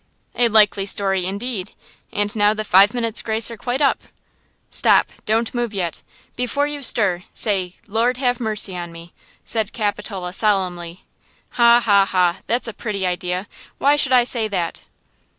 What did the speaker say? A likely story indeed! And now the five minutes' grace are quite up!" "Stop! Don't move yet! Before you stir, say: 'Lord, have mercy on me!'" said Capitola, solemnly. "Ha, ha, ha! That's a pretty idea! Why should I say that?"